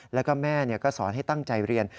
แล้วก็แม่ก็สอนให้ตั้งใจเรียน